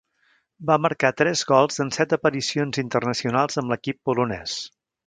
Va marcar tres gols en set aparicions internacionals amb l'equip polonès.